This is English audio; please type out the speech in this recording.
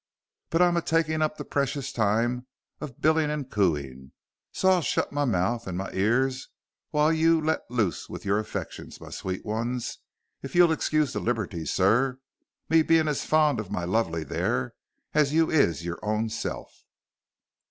But I'm a taking up the precious time of billing and cooing, so I'll shut my mouth and my ears while you let loose your affections, my sweet ones, if you'll excuse the liberty, sir, me being as fond of my lovey there as you is your own self."